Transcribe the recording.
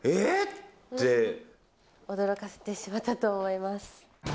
驚かせてしまったと思います。